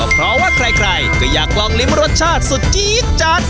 เพราะว่าใครก็อยากลองลิ้มรสชาติสุดจี๊ดจัด